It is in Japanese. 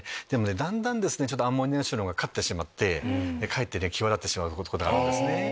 だんだんアンモニア臭の方が勝ってしまってかえって際立ってしまうことがある。